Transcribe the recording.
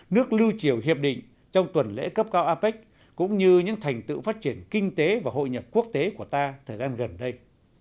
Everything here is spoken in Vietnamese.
nước lưu triều hiệp định trong tuần lễ cấp cao apec cũng như những thành tựu phát triển kinh tế và hội nhập quốc tế của ta thời gian gần đây